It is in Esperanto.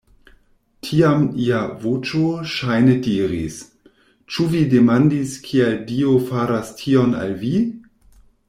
Tiam ia voĉo ŝajne diris: Ĉu vi demandis, kial Dio faras tion al vi?